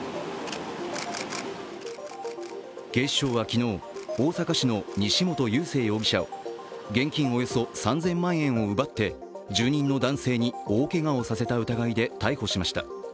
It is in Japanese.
警視庁は昨日、大阪市の西本佑聖容疑者を現金およそ３０００万円を奪って住人の男性に大けがをさせた疑いで逮捕しました。